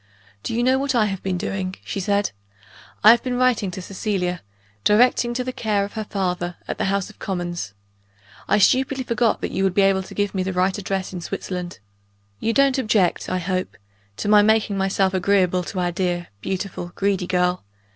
"Do you know what I have been doing?" she said. "I have been writing to Cecilia directing to the care of her father, at the House of Commons. I stupidly forgot that you would be able to give me the right address in Switzerland. You don't object, I hope, to my making myself agreeable to our dear, beautiful, greedy girl?